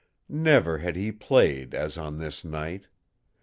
Never had he played as on this night.